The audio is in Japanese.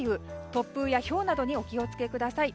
突風やひょうなどにお気を付けください。